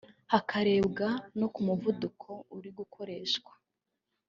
hakarebwa no ku muvuduko uri gukoreshwa